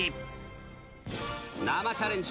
生チャレンジ。